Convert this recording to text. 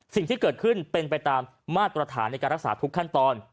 สิ่งที่เกิดขึ้นเป็นไปตามมาตรฐานในการรักษาทุกขั้นตอน